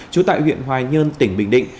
trú tại huyện hoài nhơn tỉnh bình định